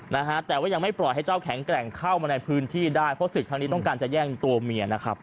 นะฮะแต่ว่ายังไม่ปล่อยให้เจ้าแข็งแกร่งเข้ามาในพื้นที่ได้เพราะศึกครั้งนี้ต้องการจะแย่งตัวเมียนะครับ